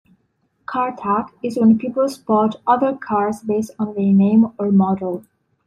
Car tag is when people spot other cars based on their name or model.